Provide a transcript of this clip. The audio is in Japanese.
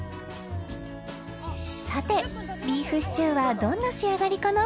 ［さてビーフシチューはどんな仕上がりかな？］